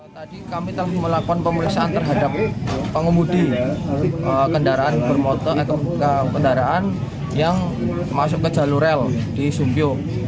tadi kami telah melakukan pemeriksaan terhadap pengemudi kendaraan bermotor atau kendaraan yang masuk ke jalur rel di sumpiok